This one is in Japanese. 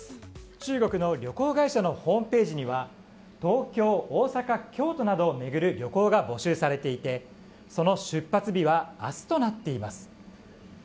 中国の旅行会社のホームページには東京、大阪、京都などを巡る旅行が募集されていてその出発日は明日となっています。